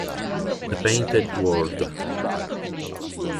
The Painted World